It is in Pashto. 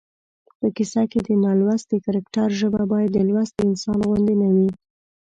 په کیسه کې د نالوستي کرکټر ژبه باید د لوستي انسان غوندې نه وي